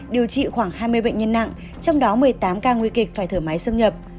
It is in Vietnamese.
điều trị khoảng hai mươi bệnh nhân nặng trong đó một mươi tám ca nguy kịch phải thở máy xâm nhập